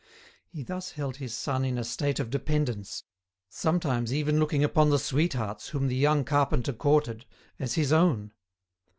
He thus held his son in a state of dependence, sometimes even looking upon the sweethearts whom the young carpenter courted as his own.